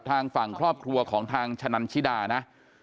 ทางฝั่งครอบครัวของทางชะนันชิดานะ